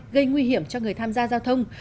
gây nguy hiểm cho người tham gia giao thông